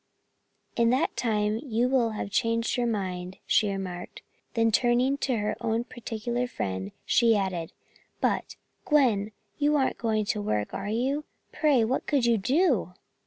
"In that time you will have changed your mind," she remarked. Then turning to her particular friend, she added: "But, Gwen, you aren't going to work, are you? Pray, what could you do?"